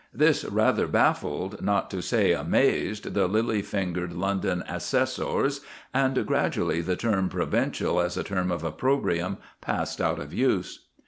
This rather baffled, not to say amazed, the lily fingered London assessors, and gradually the term "provincial," as a term of opprobrium, passed out of use.